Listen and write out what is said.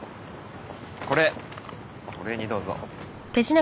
これお礼にどうぞ。